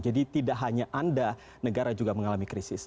jadi tidak hanya anda negara juga mengalami krisis